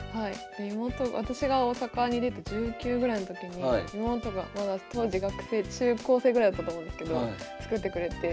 私が大阪に出て１９ぐらいの時に妹がまだ当時学生中高生ぐらいだったと思うんですけど作ってくれて。